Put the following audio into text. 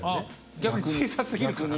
逆に小さすぎるからね。